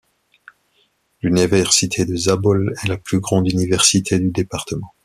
L'université de Zabol est la plus grande université du département.